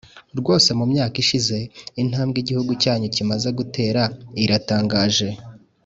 rwose mu myaka ishize intambwe igihugu cyanyu kimaze gutera iratangaje